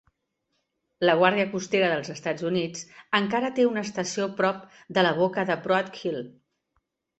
La guàrdia costera dels Estats Units encara té una estació prop de la boca del Broadkill.